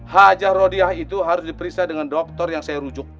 hajah rodiah itu harus diperiksa dengan dokter yang saya rujuk